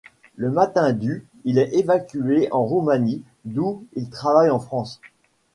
Le matin du il est évacué en Roumanie d'où il arrive en France.